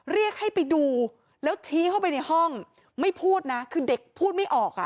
เรียกให้ไปดูแล้วชี้เข้าไปในห้องไม่พูดนะคือเด็กพูดไม่ออกอ่ะ